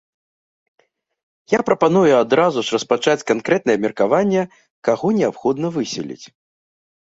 Я прапаную адразу ж распачаць канкрэтнае абмеркаванне, каго неабходна выселіць.